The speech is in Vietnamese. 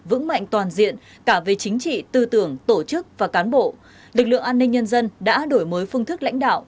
vững mạnh toàn diện cả về chính trị tư tưởng tổ chức và cán bộ lực lượng an ninh nhân dân đã đổi mới phương thức lãnh đạo